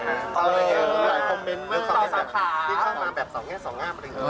อ๋อคอมเม้นต์ว่าต่อสามขาพี่เข้ามาแบบสองแง่สองงามอะไรอย่างนึง